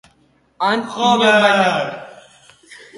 Han inon baino hobeki, esanak du muina.